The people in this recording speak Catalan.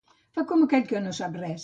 Fa com aquell que no en sap res.